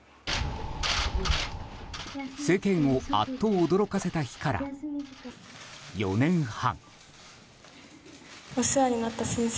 世間をあっと驚かせた日から４年半。